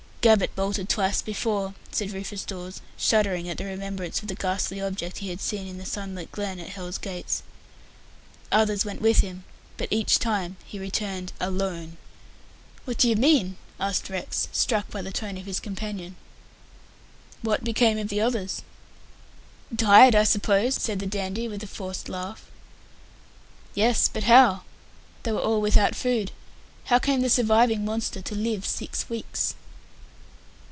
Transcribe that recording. "Gabbett bolted twice before," said Rufus Dawes, shuddering at the remembrance of the ghastly object he had seen in the sunlit glen at Hell's Gates. "Others went with him, but each time he returned alone." "What do you mean?" asked Rex, struck by the tone of his companion. "What became of the others?" "Died, I suppose," said the Dandy, with a forced laugh. "Yes; but how? They were all without food. How came the surviving monster to live six weeks?"